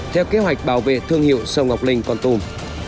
theo kế hoạch bảo vệ thương hiệu sông ngọc linh con tùm